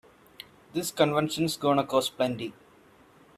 This convention's gonna cost plenty.